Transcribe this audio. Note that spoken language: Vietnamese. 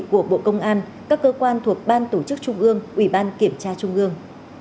của bộ công an các cơ quan thuộc ban tổ chức trung ương ủy ban kiểm tra trung ương